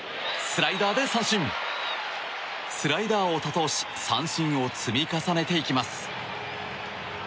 スライダーを多投し三振を積み重ねていきます。